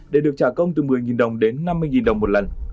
để được trả công từ một mươi đồng đến năm mươi đồng một lần